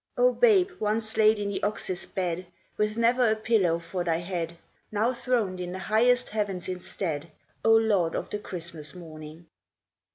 O Babe, once laid in the ox s bed, With never a pillow for thy head, Now throned in the highest heavens instead, O Lord of the Christmas morning